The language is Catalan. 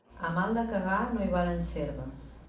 A mal de cagar no hi valen serves.